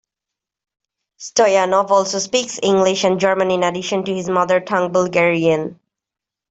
Stoyanov also speaks English and German in addition to his mother tongue Bulgarian.